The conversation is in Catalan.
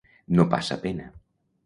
No passar pena.